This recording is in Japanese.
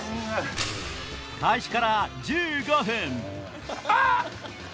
開始から１５分あっ！